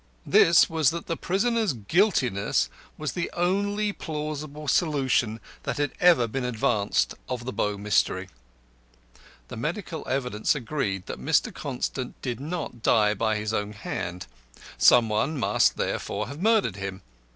This was that the prisoner's guiltiness was the only plausible solution that had ever been advanced of the Bow Mystery. The medical evidence agreed that Mr. Constant did not die by his own hand. Some one must therefore have murdered him.